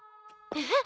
えっ？